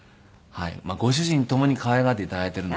ご主人ともに可愛がって頂いているので。